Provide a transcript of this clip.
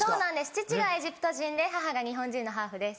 父がエジプト人で母が日本人のハーフです。